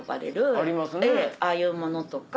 ああいうものとか。